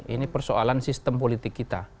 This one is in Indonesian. ini persoalan sistem politik kita